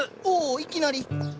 おおいきなり。